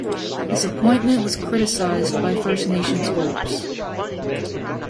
His appointment was criticized by First Nations groups.